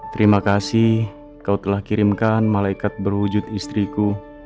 terima kasih telah kirimkan malaikat berwujud istriku